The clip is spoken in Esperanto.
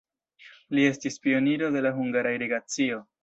Li estis pioniro de la hungara irigacio.